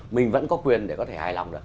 mình vẫn có quyền để có thể hài lòng được